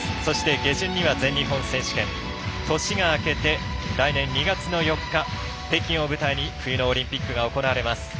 下旬に全日本選手権年が明けて来年２月４日北京を舞台に冬のオリンピックが行われます。